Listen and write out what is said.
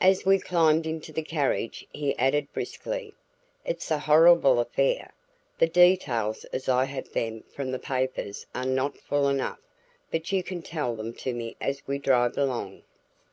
As we climbed into the carriage he added briskly, "It's a horrible affair! The details as I have them from the papers are not full enough, but you can tell them to me as we drive along."